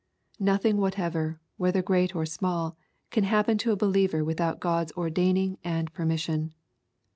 *' Nothing whatever, whether great or small, can happen to a believer, without God's ordering and permission.